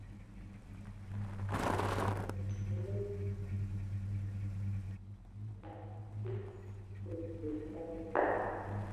Cruzeiro na Barcelona na Inter Milan na vingine vingi duniani